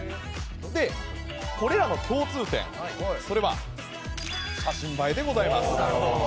これらの共通点それは写真映えでございます。